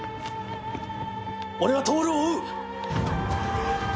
俺は透を追う！